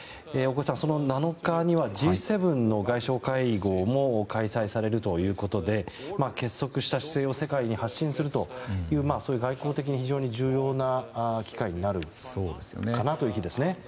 大越さん、その７日にはＧ７の外相会合も開催されるということで結束した姿勢を世界に発信するという外交的に非常に重要な機会になるかなという日ですね。